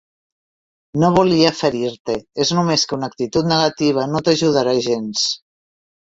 No volia ferir-te, és només que una actitud negativa no t'ajudarà gens.